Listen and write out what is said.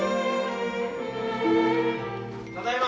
ただいま。